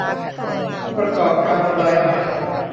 ผู้ประกอบการรายใหม่